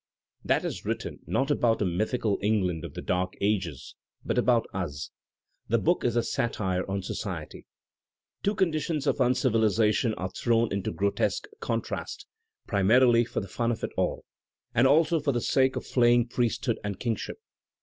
That is written not about a mythical England of the dark ages, but about tas. The book is a satire on society. Two conditions of uncivilization are thrown into grotesque contrast primarily for the fun of it all, and also for the sake of flaying priesthood and kingship.